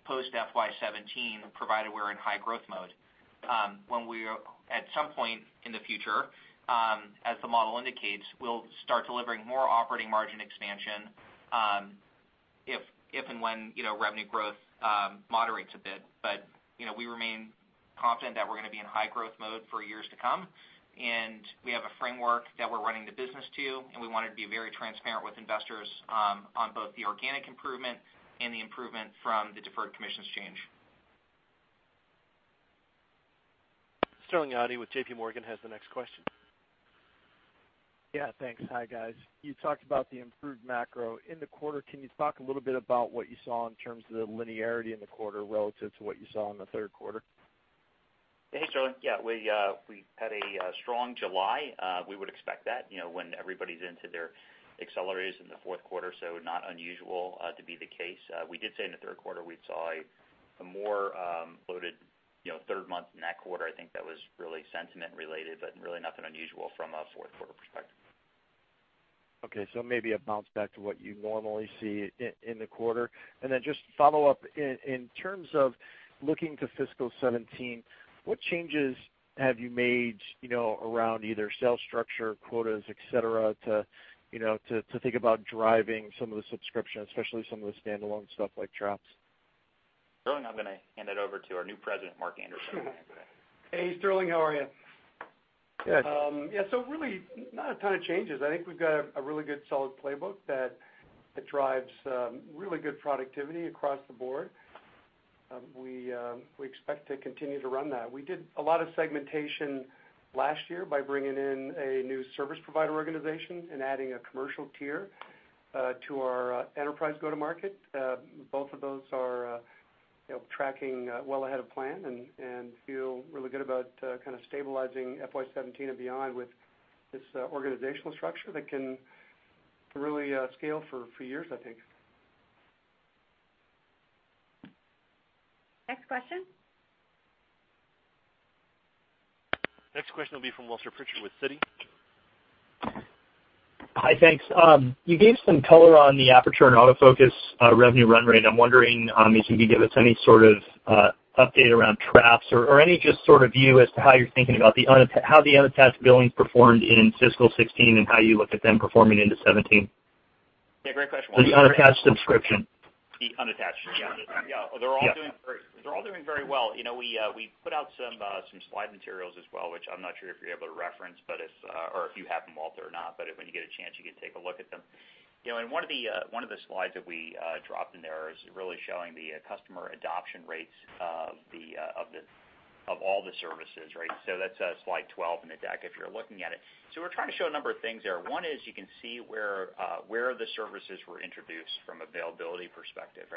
points post FY 2017, provided we're in high growth mode. When we are at some point in the future, as the model indicates, we'll start delivering more operating margin expansion If and when revenue growth moderates a bit. We remain confident that we're going to be in high growth mode for years to come. We have a framework that we're running the business to, and we want to be very transparent with investors on both the organic improvement and the improvement from the deferred commissions change. Sterling Auty with JP Morgan has the next question. Yeah, thanks. Hi, guys. You talked about the improved macro in the quarter. Can you talk a little bit about what you saw in terms of the linearity in the quarter relative to what you saw in the third quarter? Hey, Sterling. Yeah, we had a strong July. We would expect that when everybody's into their accelerators in the fourth quarter. Not unusual to be the case. We did say in the third quarter we saw a more loaded third month in that quarter. I think that was really sentiment related. Really nothing unusual from a fourth quarter perspective. Maybe a bounce back to what you normally see in the quarter. Just follow up, in terms of looking to fiscal 2017, what changes have you made around either sales structure, quotas, et cetera, to think about driving some of the subscription, especially some of the standalone stuff like Traps? Sterling, I'm going to hand it over to our new President, Mark Anderson. Sure. Hey, Sterling. How are you? Good. Yeah, really not a ton of changes. I think we've got a really good, solid playbook that drives really good productivity across the board. We expect to continue to run that. We did a lot of segmentation last year by bringing in a new service provider organization and adding a commercial tier to our enterprise go-to-market. Both of those are tracking well ahead of plan and feel really good about kind of stabilizing FY 2017 and beyond with this organizational structure that can really scale for years, I think. Next question? Next question will be from Walter Pritchard with Citi. Hi, thanks. You gave some color on the Aperture and AutoFocus revenue run rate. I'm wondering if you could give us any sort of update around Traps or any just sort of view as to how you're thinking about how the unattached billings performed in fiscal 2016 and how you look at them performing into 2017. Yeah, great question. The unattached subscription. The unattached. They're all doing very well. We put out some slide materials as well, which I'm not sure if you're able to reference, or if you have them, Walter, or not. When you get a chance, you can take a look at them. One of the slides that we dropped in there is really showing the customer adoption rates of all the services. That's slide 12 in the deck if you're looking at it. We're trying to show a number of things there. One is you can see where the services were introduced from availability perspective.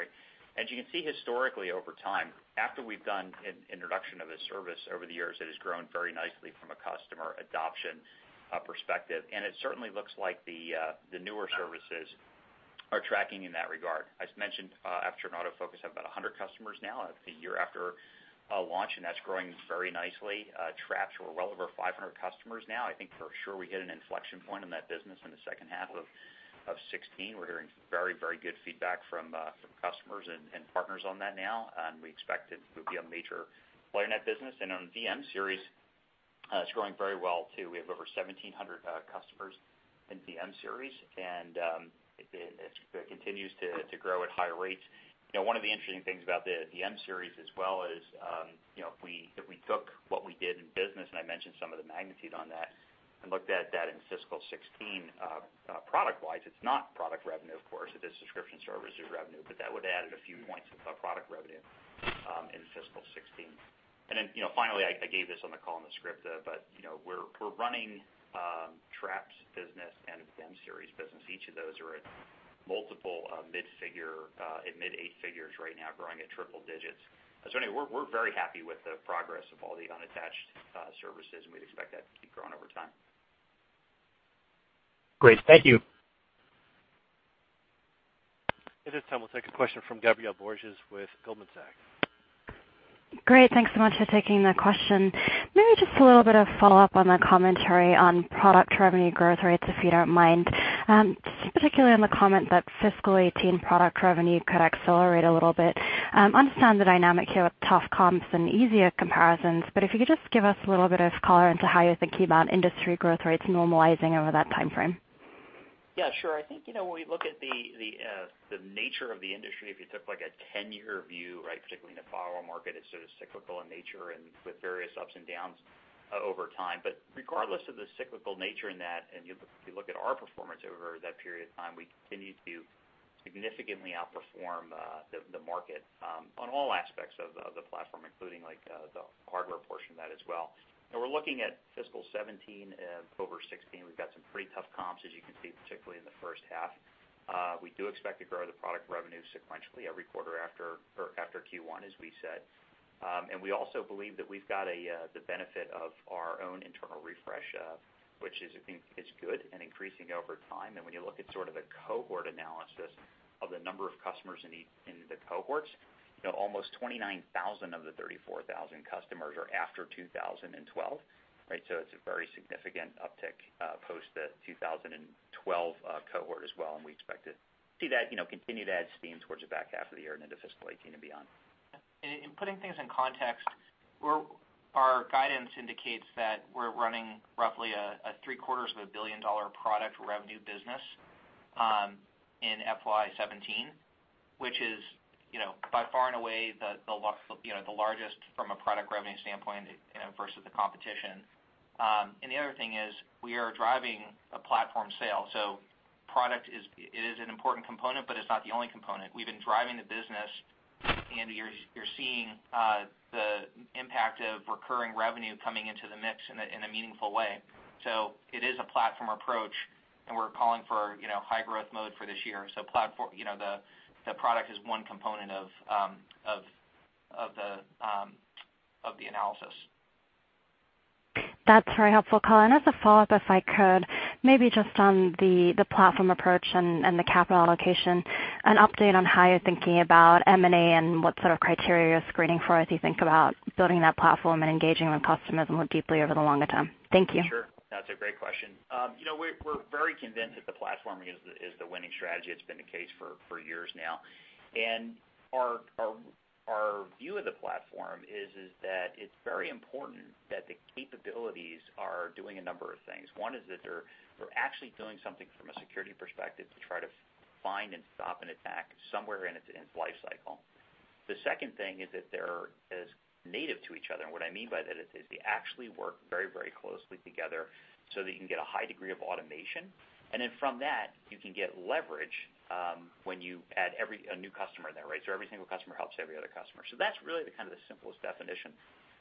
As you can see historically over time, after we've done an introduction of a service over the years, it has grown very nicely from a customer adoption perspective. It certainly looks like the newer services are tracking in that regard. As mentioned, Aperture and AutoFocus have about 100 customers now a year after launch, and that's growing very nicely. Traps, we're well over 500 customers now. I think for sure we hit an inflection point in that business in the second half of 2016. We're hearing very good feedback from customers and partners on that now, and we expect it to be a major line of business. On VM-Series, it's growing very well, too. We have over 1,700 customers in VM-Series, and it continues to grow at high rates. One of the interesting things about the VM-Series as well is, if we took what we did in business, and I mentioned some of the magnitudes on that, and looked at that in fiscal 2016, product-wise, it's not product revenue, of course, it is subscription services revenue. That would've added a few points of product revenue in fiscal 2016. Finally, I gave this on the call in the script, but we're running Traps business and VM-Series business. Each of those are at multiple mid-figure, at mid-eight figures right now, growing at triple digits. Anyway, we're very happy with the progress of all the unattached services, and we'd expect that to keep growing over time. Great. Thank you. At this time, we'll take a question from Gabriela Borges with Goldman Sachs. Great. Thanks so much for taking the question. Maybe just a little bit of follow-up on the commentary on product revenue growth rates, if you don't mind. Particularly on the comment that fiscal 2018 product revenue could accelerate a little bit. Understand the dynamic here with tough comps and easier comparisons, but if you could just give us a little bit of color into how you're thinking about industry growth rates normalizing over that timeframe. Yeah, sure. I think, when we look at the nature of the industry, if you took like a 10-year view, particularly in the firewall market, it's sort of cyclical in nature and with various ups and downs over time. Regardless of the cyclical nature in that, if you look at our performance over that period of time, we continue to significantly outperform the market on all aspects of the platform, including the hardware portion of that as well. We're looking at fiscal 2017 over 2016. We've got some pretty tough comps, as you can see, particularly in the first half. We do expect to grow the product revenue sequentially every quarter after Q1, as we said. We also believe that we've got the benefit of our own internal refresh, which I think is good and increasing over time. When you look at sort of the cohort analysis of the number of customers in the cohorts, almost 29,000 of the 34,000 customers are after 2012. It's a very significant uptick post the 2012 cohort as well, and we expect to see that continue to add steam towards the back half of the year and into fiscal 2018 and beyond. In putting things in context, our guidance indicates that we're running roughly a three-quarters of a billion-dollar product revenue business in FY 2017, which is by far and away the largest from a product revenue standpoint versus the competition. The other thing is we are driving a platform sale. Product is an important component, but it's not the only component. We've been driving the business, and you're seeing the impact of recurring revenue coming into the mix in a meaningful way. It is a platform approach, and we're calling for high growth mode for this year. The product is one component of the analysis. That's very helpful, Color. As a follow-up, if I could, maybe just on the platform approach and the capital allocation, an update on how you're thinking about M&A and what sort of criteria you're screening for as you think about building that platform and engaging with customers more deeply over the longer term. Thank you. Sure. That's a great question. We're very convinced that the platform is the winning strategy. It's been the case for years now. Our view of the platform is that it's very important that the capabilities are doing a number of things. One is that they're actually doing something from a security perspective to try to find and stop an attack somewhere in its life cycle. The second thing is that they're as native to each other, and what I mean by that is they actually work very closely together so that you can get a high degree of automation. Then from that, you can get leverage when you add a new customer in that. Every single customer helps every other customer. That's really the simplest definition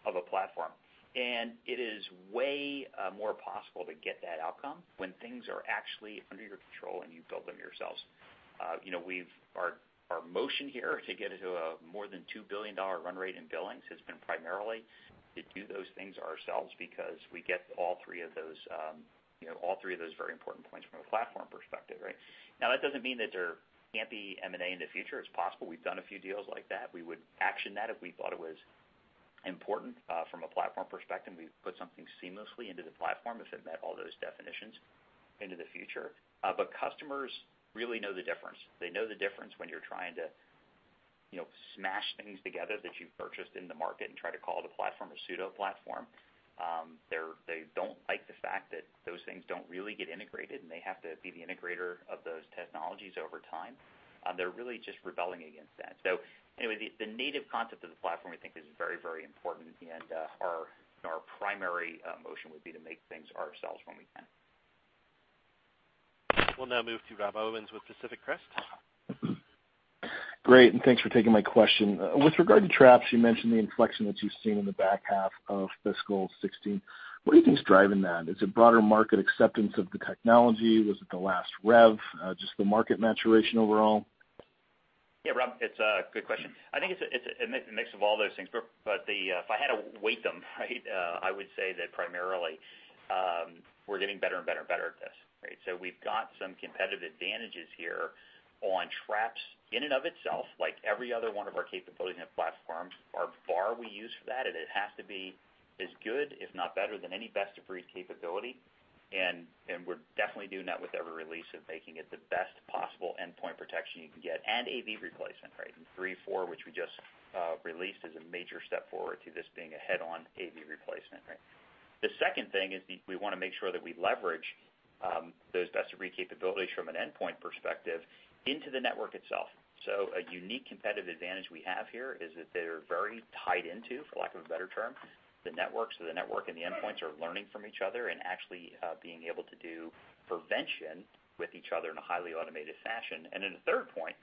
of a platform. It is way more possible to get that outcome when things are actually under your control and you build them yourselves. Our motion here to get to a more than $2 billion run rate in billings has been primarily to do those things ourselves because we get all three of those very important points from a platform perspective. Now, that doesn't mean that there can't be M&A in the future. It's possible. We've done a few deals like that. We would action that if we thought it was important from a platform perspective, and we'd put something seamlessly into the platform if it met all those definitions into the future. Customers really know the difference. They know the difference when you're trying to smash things together that you've purchased in the market and try to call it a platform, a pseudo-platform. They don't like the fact that those things don't really get integrated, and they have to be the integrator of those technologies over time. They're really just rebelling against that. Anyway, the native concept of the platform, we think, is very important, and our primary motion would be to make things ourselves when we can. We'll now move to Rob Owens with Pacific Crest. Great, thanks for taking my question. With regard to Traps, you mentioned the inflection that you've seen in the back half of fiscal 2016. What do you think is driving that? Is it broader market acceptance of the technology? Was it the last rev? Just the market maturation overall? Yeah, Rob, it's a good question. I think it's a mix of all those things, but if I had to weight them, I would say that primarily we're getting better and better at this. We've got some competitive advantages here on Traps in and of itself, like every other one of our capabilities in the platforms, our bar we use for that, and it has to be as good, if not better, than any best-of-breed capability, and we're definitely doing that with every release of making it the best possible endpoint protection you can get, and AV replacement. In 3.4, which we just released, is a major step forward to this being a head-on AV replacement. The second thing is we want to make sure that we leverage those best-of-breed capabilities from an endpoint perspective into the network itself. A unique competitive advantage we have here is that they're very tied into, for lack of a better term, the network, the network and the endpoints are learning from each other and actually being able to do prevention with each other in a highly automated fashion. The third point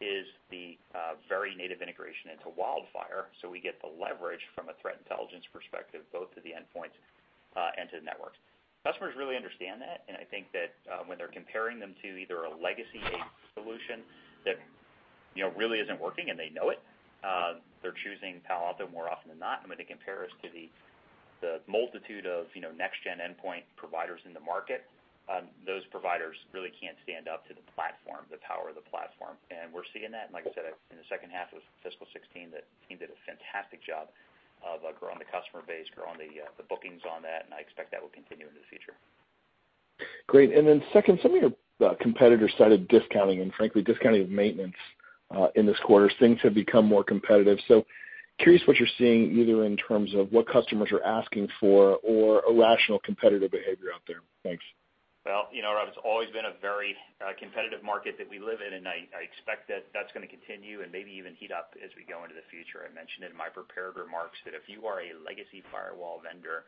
is the very native integration into WildFire. We get the leverage from a threat intelligence perspective, both to the endpoints and to the networks. Customers really understand that, and I think that when they're comparing them to either a legacy AV solution that really isn't working and they know it, they're choosing Palo Alto more often than not. When they compare us to the multitude of next-gen endpoint providers in the market, those providers really can't stand up to the power of the platform. We're seeing that, like I said, in the second half of fiscal 2016, the team did a fantastic job of growing the customer base, growing the bookings on that, and I expect that will continue into the future. Great. Second, some of your competitors started discounting and frankly, discounting of maintenance in this quarter as things have become more competitive. Curious what you're seeing either in terms of what customers are asking for or irrational competitive behavior out there. Thanks. Well, Rob, it's always been a very competitive market that we live in, and I expect that that's going to continue and maybe even heat up as we go into the future. I mentioned in my prepared remarks that if you are a legacy firewall vendor,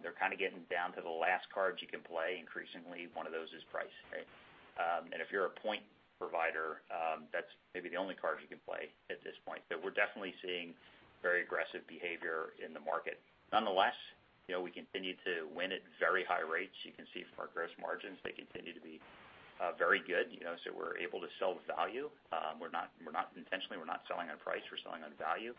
they're getting down to the last cards you can play. Increasingly, one of those is price. If you're a point provider, that's maybe the only card you can play at this point. We're definitely seeing very aggressive behavior in the market. Nonetheless, we continue to win at very high rates. You can see from our gross margins, they continue to be very good. We're able to sell value. Intentionally, we're not selling on price, we're selling on value,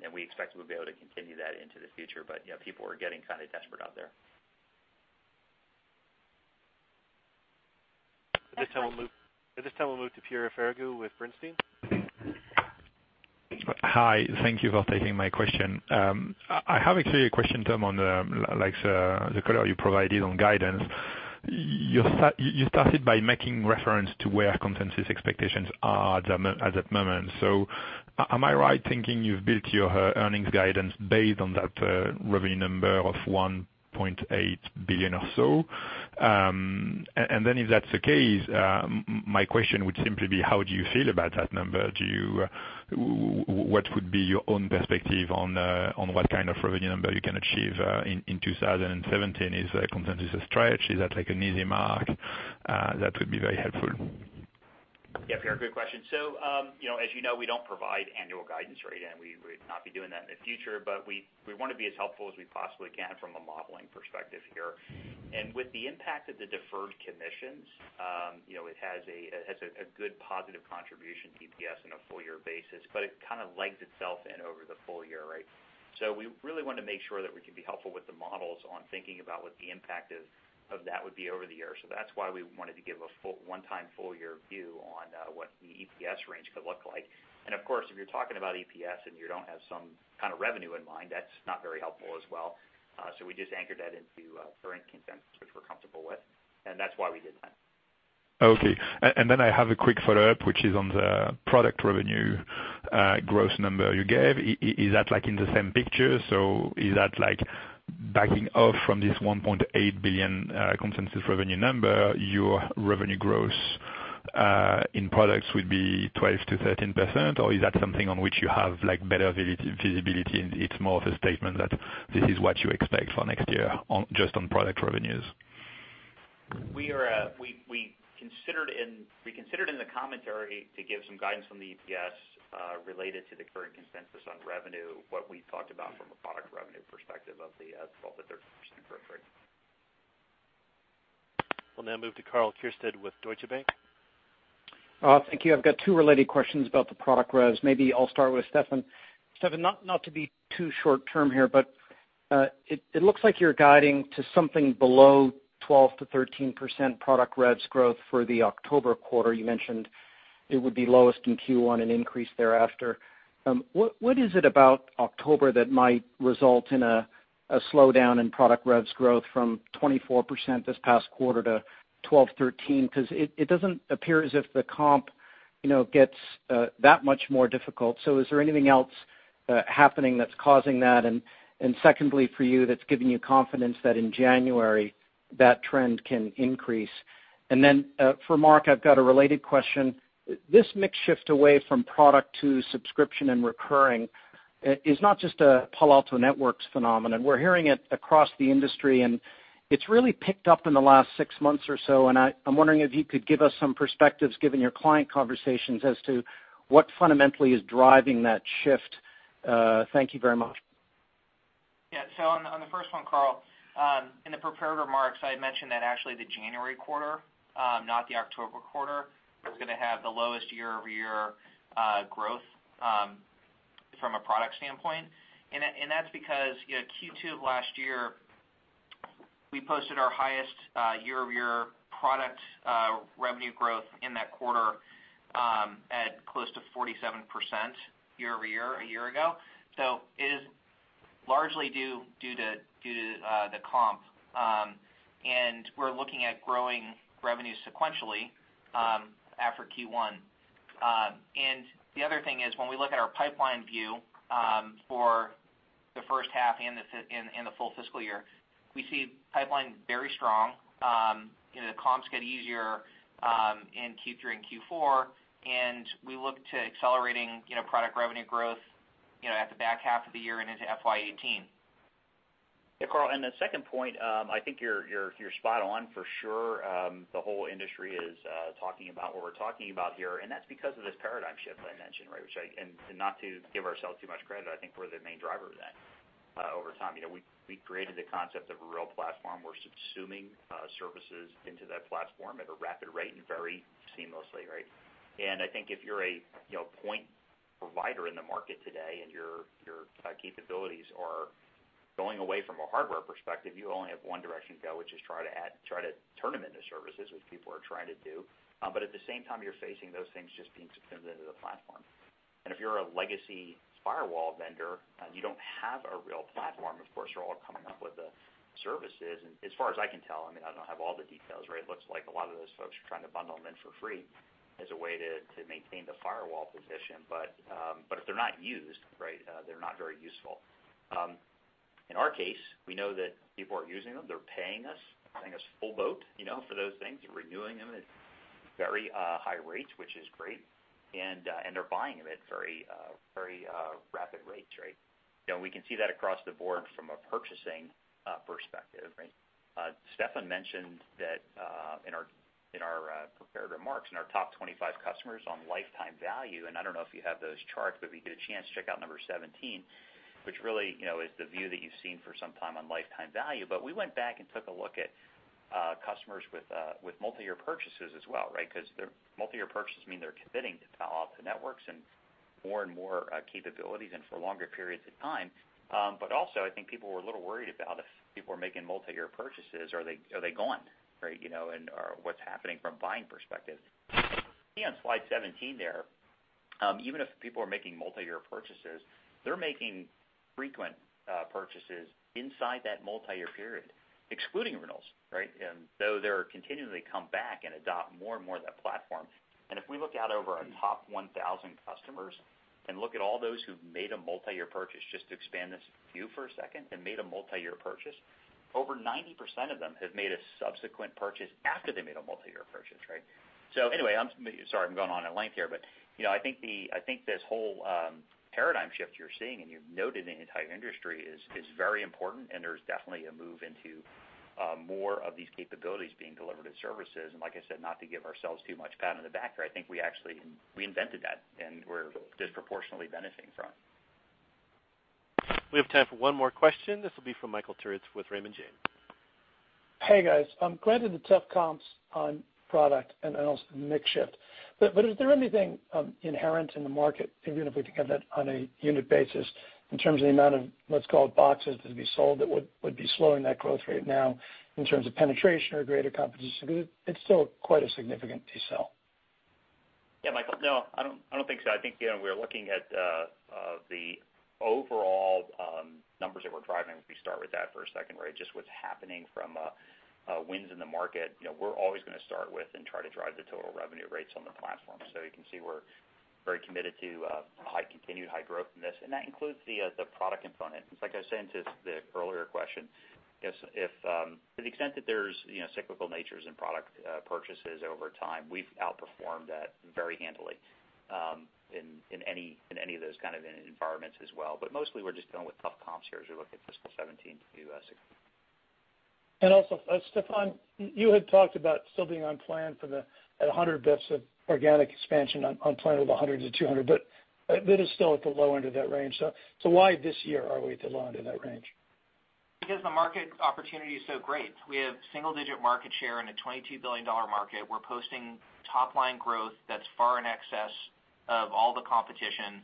and we expect we'll be able to continue that into the future. People are getting desperate out there. At this time, we'll move to Pierre Ferragu with Bernstein. Hi. Thank you for taking my question. I have actually a question, Tom, on the color you provided on guidance. You started by making reference to where consensus expectations are at that moment. Am I right thinking you've built your earnings guidance based on that revenue number of $1.8 billion or so? If that's the case, my question would simply be, how do you feel about that number? What would be your own perspective on what kind of revenue number you can achieve, in 2017? Is the consensus a stretch? Is that like an easy mark? That would be very helpful. Yeah, Pierre, good question. As you know, we don't provide annual guidance, right? We would not be doing that in the future, but we want to be as helpful as we possibly can from a modeling perspective here. With the impact of the deferred commissions, it has a good positive contribution to EPS on a full-year basis, but it kind of legs itself in over the full year. We really want to make sure that we can be helpful with the models on thinking about what the impact of that would be over the year. That's why we wanted to give a one-time full-year view on what the EPS range could look like. Of course, if you're talking about EPS and you don't have some kind of revenue in mind, that's not very helpful as well. We just anchored that into current consensus, which we're comfortable with, and that's why we did that. Okay. I have a quick follow-up, which is on the product revenue gross number you gave. Is that like in the same picture? Is that like backing off from this $1.8 billion consensus revenue number, your revenue gross, in products would be 12%-13%? Or is that something on which you have better visibility, and it's more of a statement that this is what you expect for next year just on product revenues? We considered in the commentary to give some guidance on the EPS, related to the current consensus on revenue, what we talked about from a product revenue perspective of the 12%-13% growth rate. We'll now move to Karl Keirstead with Deutsche Bank. Thank you. I've got two related questions about the product revs. Maybe I'll start with Steffan. Steffan, not to be too short term here, but it looks like you're guiding to something below 12%-13% product revs growth for the October quarter. You mentioned it would be lowest in Q1 and increase thereafter. What is it about October that might result in a slowdown in product revs growth from 24% this past quarter to 12%-13%? Because it doesn't appear as if the comp gets that much more difficult. Is there anything else happening that's causing that? Secondly, for you, that's giving you confidence that in January that trend can increase. For Mark, I've got a related question. This mix shift away from product to subscription and recurring, is not just a Palo Alto Networks phenomenon. We're hearing it across the industry, and it's really picked up in the last six months or so, and I'm wondering if you could give us some perspectives, given your client conversations as to what fundamentally is driving that shift. Thank you very much. On the first one, Karl, in the prepared remarks, I had mentioned that actually the January quarter, not the October quarter, was going to have the lowest year-over-year growth from a product standpoint. That's because Q2 of last year, we posted our highest year-over-year product revenue growth in that quarter, at close to 47% year-over-year, a year ago. It is largely due to the comp. We're looking at growing revenue sequentially, after Q1. The other thing is when we look at our pipeline view, for the first half and the full fiscal year, we see pipeline very strong. The comps get easier in Q3 and Q4, and we look to accelerating product revenue growth at the back half of the year and into FY 2018. Karl, the second point, I think you're spot on for sure. The whole industry is talking about what we're talking about here, and that's because of this paradigm shift I mentioned. Not to give ourselves too much credit, I think we're the main driver of that over time. We created the concept of a real platform. We're subsuming services into that platform at a rapid rate and very seamlessly. I think if you're a point provider in the market today and your capabilities are going away from a hardware perspective, you only have one direction to go, which is try to turn them into services, which people are trying to do. At the same time, you're facing those things just being subsumed into the platform. If you're a legacy firewall vendor and you don't have a real platform, of course, they're all coming up with the services. As far as I can tell, I don't have all the details. It looks like a lot of those folks are trying to bundle them in for free as a way to maintain the firewall position. If they're not used, they're not very useful. In our case, we know that people are using them. They're paying us full boat for those things. They're renewing them at very high rates, which is great, and they're buying them at very rapid rates. We can see that across the board from a purchasing perspective. Steffan mentioned that in our prepared remarks, in our top 25 customers on lifetime value. I don't know if you have those charts, but if you get a chance, check out number 17, which really is the view that you've seen for some time on lifetime value. We went back and took a look at customers with multi-year purchases as well. Their multi-year purchases mean they're committing to Palo Alto Networks and more and more capabilities and for longer periods of time. Also, I think people were a little worried about if people are making multi-year purchases, are they gone? Or what's happening from buying perspective? You can see on slide 17. Even if people are making multi-year purchases, they're making frequent purchases inside that multi-year period, excluding renewals. Though they continually come back and adopt more and more of that platform. If we look out over our top 1,000 customers and look at all those who've made a multi-year purchase, just to expand this view for a second, and made a multi-year purchase, over 90% of them have made a subsequent purchase after they made a multi-year purchase. Anyway, I'm sorry I'm going on at length here. I think this whole paradigm shift you're seeing, and you've noted in the entire industry, is very important. There's definitely a move into more of these capabilities being delivered as services. Like I said, not to give ourselves too much pat on the back, I think we actually reinvented that. We're disproportionately benefiting from it. We have time for one more question. This will be from Michael Turits with Raymond James. Hey, guys. Granted the tough comps on product and also mix shift, is there anything inherent in the market, even if we think of it on a unit basis, in terms of the amount of let's call it boxes to be sold, that would be slowing that growth rate now in terms of penetration or greater competition? It's still quite a significant decel. Yeah, Michael. No, I don't think so. I think we're looking at the overall numbers that we're driving, if we start with that for a second, just what's happening from wins in the market. We're always going to start with and try to drive the total revenue rates on the platform. You can see we're very committed to continued high growth in this, and that includes the product component. Like I was saying to the earlier question, to the extent that there's cyclical natures in product purchases over time, we've outperformed that very handily in any of those kind of environments as well. Mostly we're just dealing with tough comps here as we look at fiscal 2017 view. Also, Steffan, you had talked about still being on plan for the 100 basis points of organic expansion on plan with 100-200, that is still at the low end of that range. Why this year are we at the low end of that range? Because the market opportunity is so great. We have single-digit market share in a $22 billion market. We're posting top-line growth that's far in excess of all the competition.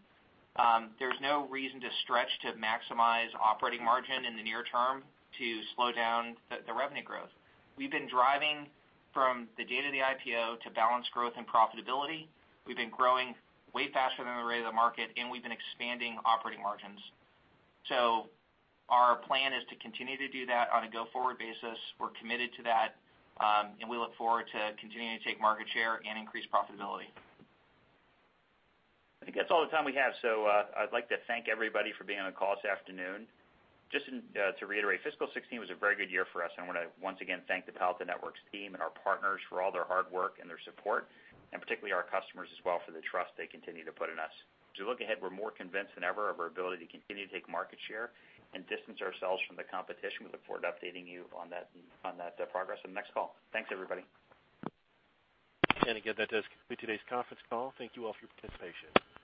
There's no reason to stretch to maximize operating margin in the near term to slow down the revenue growth. We've been driving from the date of the IPO to balance growth and profitability. We've been growing way faster than the rate of the market, and we've been expanding operating margins. Our plan is to continue to do that on a go-forward basis. We're committed to that, and we look forward to continuing to take market share and increase profitability. I think that's all the time we have. I'd like to thank everybody for being on the call this afternoon. Just to reiterate, fiscal 2016 was a very good year for us, and I want to once again thank the Palo Alto Networks team and our partners for all their hard work and their support, and particularly our customers as well for the trust they continue to put in us. As we look ahead, we're more convinced than ever of our ability to continue to take market share and distance ourselves from the competition. We look forward to updating you on that progress on the next call. Thanks, everybody. Again, that does conclude today's conference call. Thank you all for your participation.